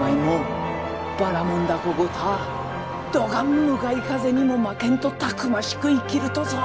舞もばらもん凧ごたぁどがん向かい風にも負けんとたくましく生きるとぞ。